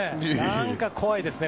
なんか怖いですね。